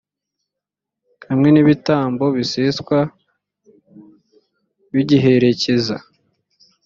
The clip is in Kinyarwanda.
hamwe n’ibitambo biseswa bigiherekeza.